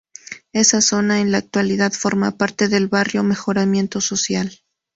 Esa zona en la actualidad forma parte del Barrio Mejoramiento Social.